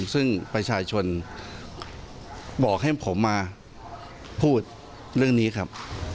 ซึ่งประชาชนบอกให้ผมมาพูดเรื่องนี้ครับ